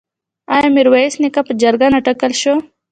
آیا میرویس نیکه په جرګه نه وټاکل شو؟